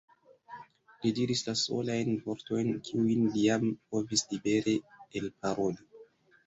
Li diris la solajn vortojn, kiujn li jam povis libere elparoli.